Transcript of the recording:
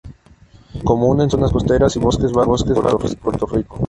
Común en zonas costeras y bosques bajos de Puerto Rico.